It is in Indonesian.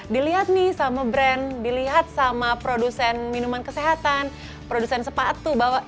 tapi saat ini sama brand sama produsen minuman kesehatan produsen sepatu bahwa